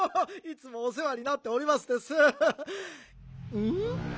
いつもおせわになっておりますです！